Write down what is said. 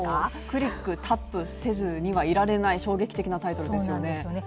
クリック、タップせずにはいられない衝撃的なタイトルですよね。